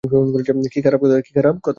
কী খারাপ কথা!